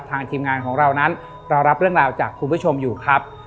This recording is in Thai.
ทีมงานของเรานั้นเรารับเรื่องราวจากคุณผู้ชมอยู่ครับ